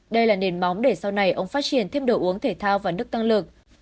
đây là nền móng để sau này ông phát triển thêm đồ uống thể thao và đức tăng lực